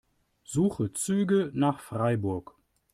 Suche Züge nach Freiburg.